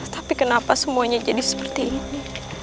tapi kenapa semuanya jadi seperti ini